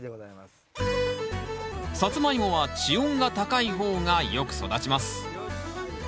サツマイモは地温が高い方がよく育ちます。